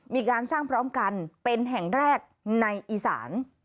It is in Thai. มีการสร้างพร้อมกันเป็นแห่งแรกในอีสาน